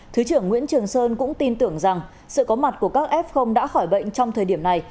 thứ trưởng nguyễn trường sơn cũng tin tưởng rằng sự có mặt của các f đã khỏi bệnh trong thời điểm này